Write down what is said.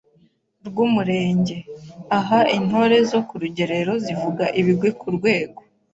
rw’ umurenge. Aha intore zo ku rugerero zivuga ibigwi k’ urwego